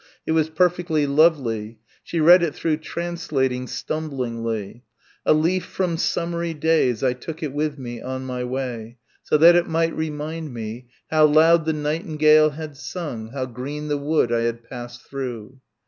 It was perfectly lovely she read it through translating stumblingly "A leaf from summery days I took it with me on my way, So that it might remind me How loud the nightingale had sung, How green the wood I had passed through."